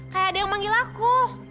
kayak ada yang manggil aku